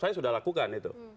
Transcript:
saya sudah lakukan itu